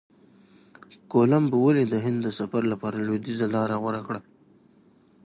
کولمب ولي د هند د سفر لپاره لویدیځه لاره غوره کړه؟